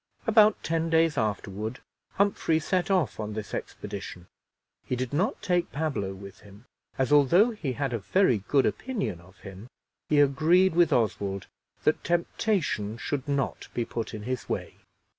About ten days afterward Humphrey set off on this expedition. He did not take Pablo with him, as, although he had a very good opinion of him, he agreed with Oswald that temptation should not be put in his way.